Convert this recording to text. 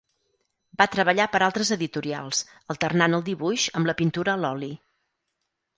Va treballar per altres editorials, alternant el dibuix amb la pintura a l'oli.